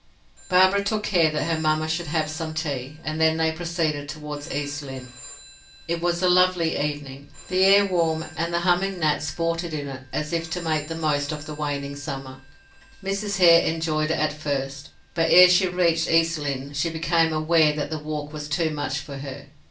Barbara took care that her mamma should have some tea and then they proceeded toward East Lynne. It was a lovely evening the air warm, and the humming gnats sported in it as if to make the most of the waning summer. Mrs. Hare enjoyed it at first, but ere she reached East Lynne, she became aware that the walk was too much for her.